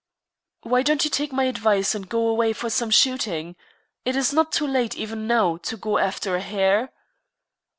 "Why don't you take my advice, and go away for some shooting? It is not too late, even now, to go after a hare."